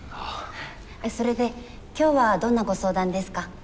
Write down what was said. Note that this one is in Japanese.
それで今日はどんなご相談ですか？